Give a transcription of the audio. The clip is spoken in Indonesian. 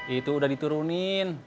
itu sudah diturunin